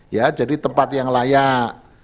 ya jadi tempat yang layak